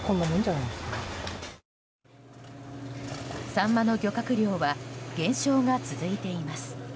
サンマの漁獲量は減少が続いています。